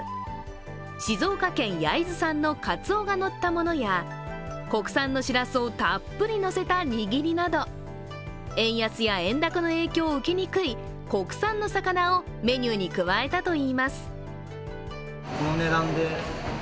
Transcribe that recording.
静岡県焼津産のかつおがのったものや国産のしらすをたっぷりのせたにぎりなど、円安や円高の影響を受けにくい国産の魚をメニューに加えたといいます。